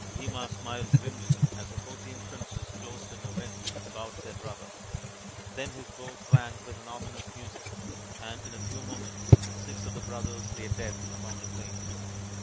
Bhima smiled grimly as the fourteen princes closed in a ring about their brother ; then his bow twanged with an ominous music, and in a few moments six of the brothers lay dead upon the plain.